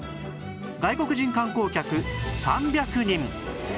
外国人観光客３００人